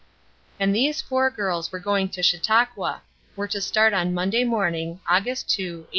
And these four girls were going to Chautauqua were to start on Monday morning, August 2, 1875.